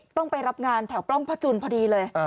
ต้องไปรับงานแถวปล้องพระจุนพอดีเลย